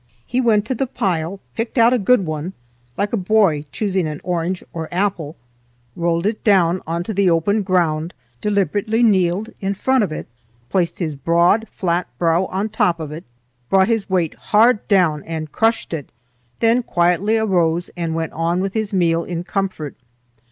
He went to the pile, picked out a good one, like a boy choosing an orange or apple, rolled it down on to the open ground, deliberately kneeled in front of it, placed his broad, flat brow on top of it, brought his weight hard down and crushed it, then quietly arose and went on with his meal in comfort.